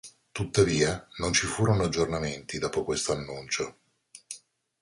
Tuttavia, non ci furono aggiornamenti dopo questo annuncio.